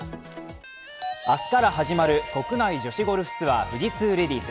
明日から始まる国内女子ゴルフツアー富士通レディース。